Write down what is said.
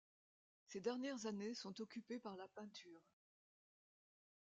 Ses dernières années sont occupées par la peinture.